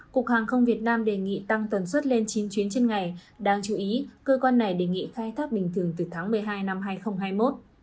cục hàng không việt nam đề nghị tăng tuần suất lên chín chuyến trên ngày đáng chú ý cơ quan này đề nghị khai thác bình thường từ tháng một mươi hai năm hai nghìn hai mươi một